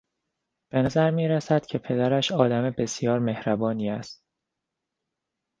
به نظر میرسد که پدرش آدم بسیار مهربانی است.